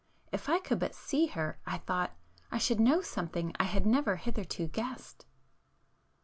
If I could but see her, I thought, I should know something I had never hitherto guessed!